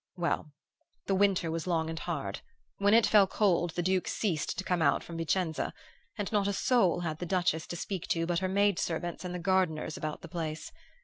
Well, the winter was long and hard. When it fell cold the Duke ceased to come out from Vicenza, and not a soul had the Duchess to speak to but her maid servants and the gardeners about the place.